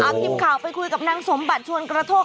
เอาทีมข่าวไปคุยกับนางสมบัติชวนกระโทก